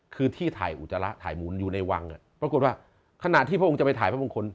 คือที่ถ่ายอุจจาระถ่ายมูลอยู่ในวังปรากฏว่าขณะที่พระองค์จะไปถ่ายพระมงคล